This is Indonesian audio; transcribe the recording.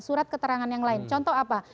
surat keterangan yang lain contoh apa